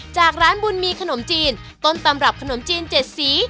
จากร้านบุญมีขนมจีนต้นตำรับขนมจีน๗สี